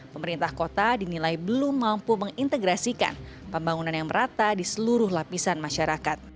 pemerintah kota dinilai belum mampu mengintegrasikan pembangunan yang merata di seluruh lapisan masyarakat